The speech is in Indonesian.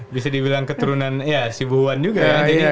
bisa dibilang keturunan si bu wan juga